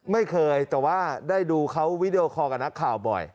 ไม่เคยแต่ว่าได้ดูเขาวิดีโอคอลกับนักข่าวบ่อย